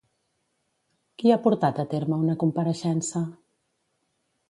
Qui ha portat a terme una compareixença?